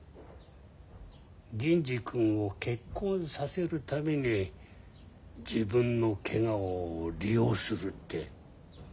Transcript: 銀次君を結婚させるために自分のケガを利用するって。